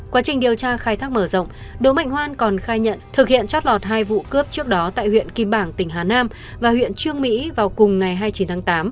quá trình điều tra khai thác mở rộng đỗ mạnh hoan còn khai nhận thực hiện trót lọt hai vụ cướp trước đó tại huyện kim bảng tỉnh hà nam và huyện trương mỹ vào cùng ngày hai mươi chín tháng tám